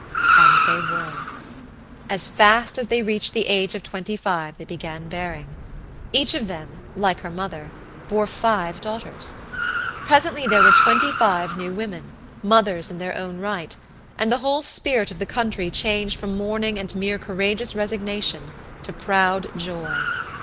And they were! As fast as they reached the age of twenty five they began bearing. Each of them, like her mother, bore five daughters. Presently there were twenty five New Women, Mothers in their own right, and the whole spirit of the country changed from mourning and mere courageous resignation to proud joy.